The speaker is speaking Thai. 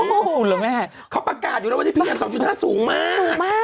โอ้โฮโอ้โฮโอ้โฮเขาประกาศอยู่แล้วว่าที่นี่ส่องชุดธนาษฐ์สูงมาก